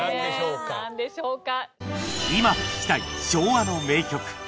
なんでしょうか？